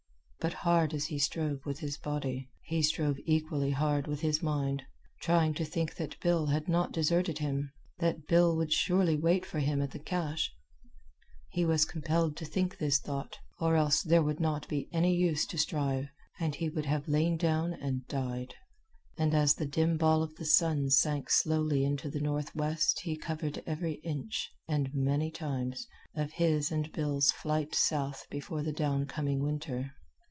But hard as he strove with his body, he strove equally hard with his mind, trying to think that Bill had not deserted him, that Bill would surely wait for him at the cache. He was compelled to think this thought, or else there would not be any use to strive, and he would have lain down and died. And as the dim ball of the sun sank slowly into the northwest he covered every inch and many times of his and Bill's flight south before the downcoming winter.